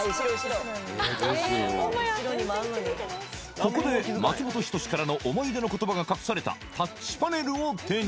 ここで松本人志からの思い出の言葉が隠されたタッチパネルを手に！